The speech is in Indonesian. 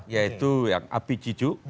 yaitu yang api cicu